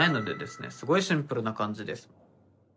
すごいシンプルな感じです。